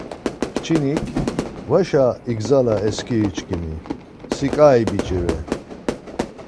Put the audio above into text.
Kçinik, Varşa igzala e skiri çkimi, si ǩai biç̌i re.